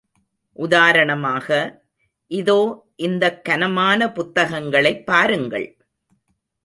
உதாரணமாக, இதோ இந்தக் கனமான புத்தகங்களைப் பாருங்கள்!